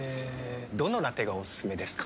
どのラテがおすすめですか？